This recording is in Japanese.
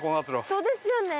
そうですよね。